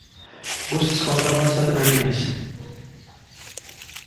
Guztiz kontrakoa esaten ari naiz.